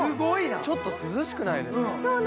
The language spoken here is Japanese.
ちょっと涼しくないですか？